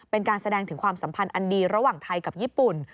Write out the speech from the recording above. เป็นการแสดงถึงความสัมพันธ์อันดีระหว่างไทยกับญี่ปุ่น